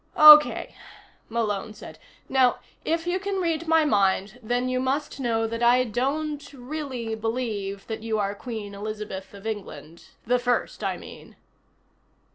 "Okay," Malone said. "Now, if you can read my mind, then you must know that I don't really believe that you are Queen Elizabeth of England. The First, I mean."